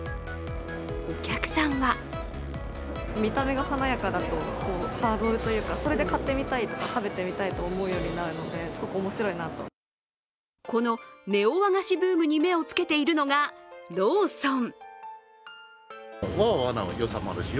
お客さんはこのネオ和菓子ブームに目をつけているのがローソン。